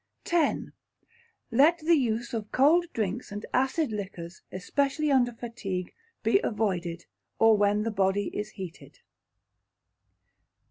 x. Let the Use of Cold Drinks and acid liquors, especially under fatigue, be avoided, or when the body is heated.